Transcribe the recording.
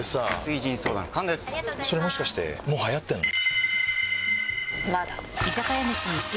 それもしかして、もうはやってんの？